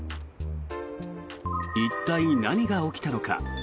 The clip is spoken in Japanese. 一体、何が起きたのか。